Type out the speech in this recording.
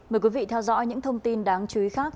mời quý vị theo dõi những thông tin đáng chú ý khác